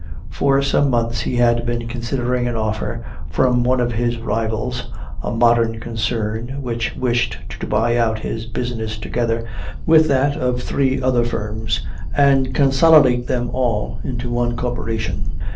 For some months he had been considering an offer from one of his rivals, a modern concern which wished to buy out his business together with that of three other firms and consolidate them all into one corporation.